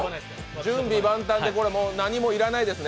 準備万端で何も要らないですね？